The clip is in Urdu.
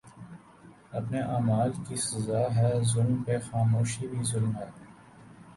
اپنے اعمال کی سزا ہے ظلم پہ خاموشی بھی ظلم ہے